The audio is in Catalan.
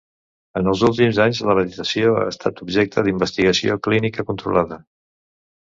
En els últims anys, la meditació ha estat objecte d'investigació clínica controlada.